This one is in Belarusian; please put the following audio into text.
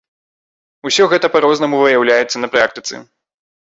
Усё гэта па-рознаму выяўляецца на практыцы.